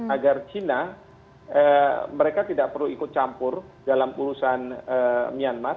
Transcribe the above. agar cina mereka tidak perlu ikut campur dalam urusan myanmar